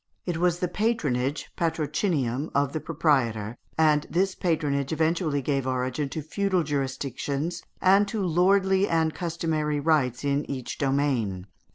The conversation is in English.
It was the patronage (patrocinium) of the proprietor, and this patronage eventually gave origin to feudal jurisdictions and to lordly and customary rights in each domain.